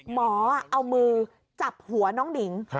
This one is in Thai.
หมอเอามือจับหัวน้องหนิง